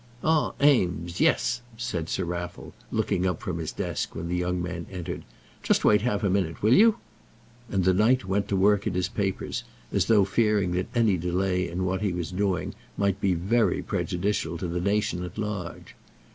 "Ah, Eames, yes," said Sir Raffle, looking up from his desk when the young man entered; "just wait half a minute, will you?" And the knight went to work at his papers, as though fearing that any delay in what he was doing might be very prejudicial to the nation at large.